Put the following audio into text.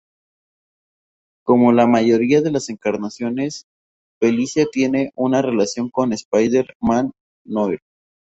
Como la mayoría de las encarnaciones, Felicia tiene una relación con Spider-Man Noir.